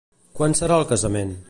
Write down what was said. Quan serà el casament?